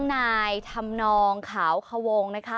นายทำนองขาวเขาวงนะคะ